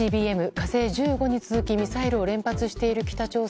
「火星１５」に続きミサイルを連発している北朝鮮。